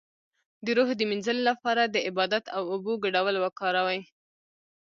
د روح د مینځلو لپاره د عبادت او اوبو ګډول وکاروئ